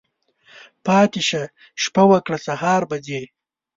پاتی شه، شپه وکړه ، سهار به ځی.